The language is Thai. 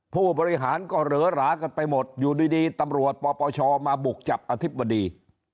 ผู้บริหารก็เหลือหรากันไปหมดอยู่ดีตำรวจปปชมาบุกจับอธิบดี